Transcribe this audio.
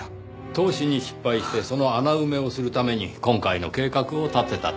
投資に失敗してその穴埋めをするために今回の計画を立てたと。